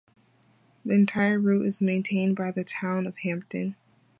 The entire route is maintained by the town of Hampton.